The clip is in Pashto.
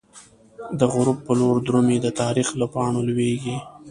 دغروب په لوری درومی، د تاریخ له پاڼو لویږی